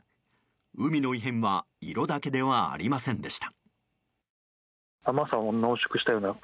海の異変は色だけではありませんでした。